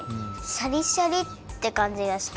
シャリシャリってかんじがした？